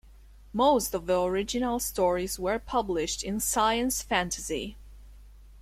Most of the original stories were published in "Science Fantasy".